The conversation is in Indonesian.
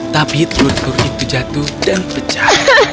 tapi telur telur itu jatuh dan pecah